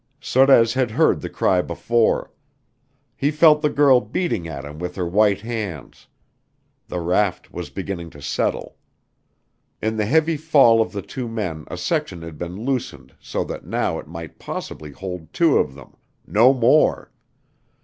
Sorez had heard the cry before. He felt the girl beating at him with her white hands. The raft was beginning to settle. In the heavy fall of the two men a section had been loosened so that now it might possibly hold two of them no more.